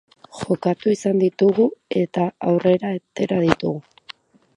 Jokatu izan ditugu eta aurrera atera ditugu.